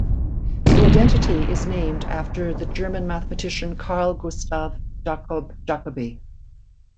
The identity is named after the German mathematician Carl Gustav Jakob Jacobi.